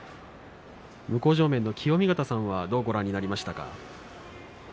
向正面の清見潟さんはどうご覧になりましたか。